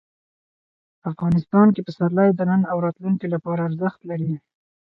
افغانستان کې پسرلی د نن او راتلونکي لپاره ارزښت لري.